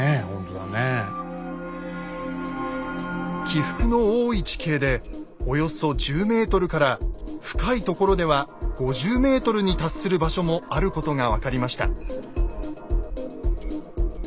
起伏の多い地形でおよそ１０ｍから深いところでは５０ｍに達する場所もあることが分かりました。